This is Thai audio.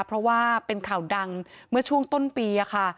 เพราะว่าเป็นข่าวดังเมื่อช่วงต้นปีค่ะ